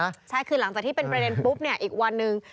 ใช่คือหลังจากที่เป็นประเด็นปุ๊บเนี่ยอีกวันหนึ่ง